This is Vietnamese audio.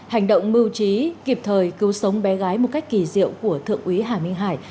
hành động mưu trí kịp thời cứu sống bé gái một cách kỳ diệu của thượng úy hà minh hải